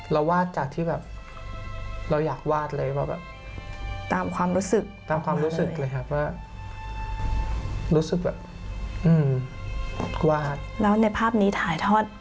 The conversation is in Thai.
เราวาดจากที่เราอยากวาดเลย